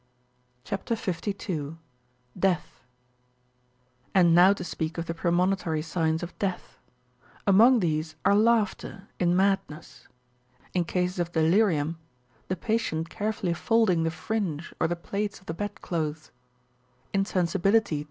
CHAP. 52. (51.) DEATH. And now to speak of the premonitory signs of death. Among these are laughter, in madness f^ in cases of delirium,®^ the patient carefully folding the fringe or the plaits of the bed ^°" Per sapientiam mori."